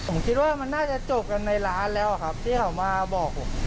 ผมคิดว่ามันน่าจะจบกันในร้านแล้วครับที่เขามาบอกผม